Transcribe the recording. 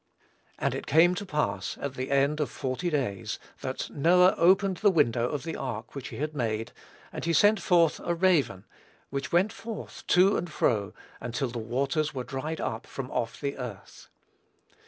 "And it came to pass, at the end of forty days, that Noah opened the window of the ark which he had made: and he sent forth a raven, which went forth, to and fro, until the waters were dried up from off the earth."